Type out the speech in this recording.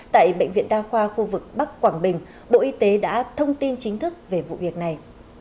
tại bệnh viện đa khoa khu vực bắc quảng bình bộ y tế đã thông tin chính thức về vụ việc này